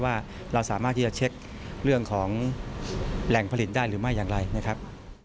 ว่าเราสามารถที่จะเช็คเรื่องของแหล่งผลิตได้หรือไม่อย่างไรนะครับ